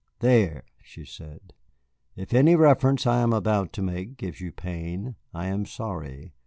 "There!" she said. "If any reference I am about to make gives you pain, I am sorry."